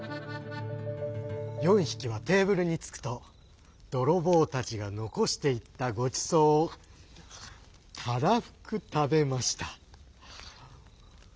４ひきはテーブルにつくとどろぼうたちがのこしていったごちそうをたらふくたべました。